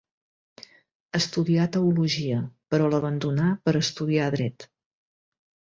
Estudià teologia, però l'abandonà per a estudiar dret.